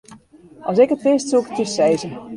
As ik it wist, soe ik it jo sizze.